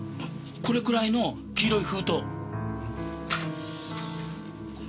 これくらいの黄色い封筒。